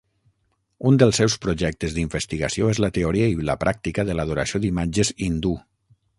Un dels seus projectes d'investigació es la teoria i la pràctica de l'adoració d'imatges hindú.